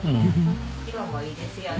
色もいいですよね